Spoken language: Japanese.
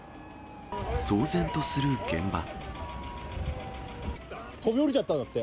騒然とする現場。